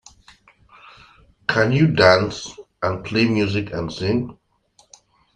Can you dance, and play music, and sing?